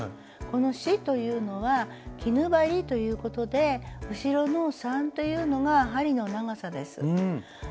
この四というのは絹針ということで後ろの三というのが針の長さです。